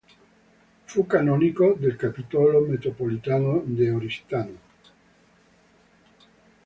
Fu canonico del capitolo metropolitano di Oristano.